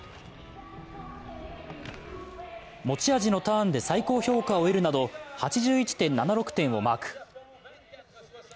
持ち味のターンで最高評価を得るなど８１．７６点をマーク。